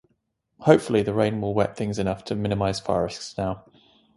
Hopefully the rain will wet things enough to minimise fire risks now